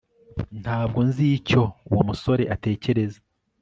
ntabwo nzi icyo uwo musore atekereza